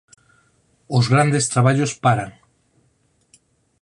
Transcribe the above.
Os grandes traballos paran.